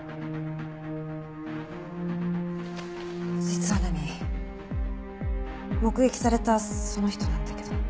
実は菜美目撃されたその人なんだけど。